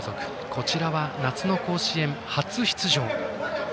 こちらは夏の甲子園、初出場。